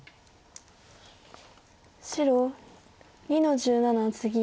白２の十七ツギ。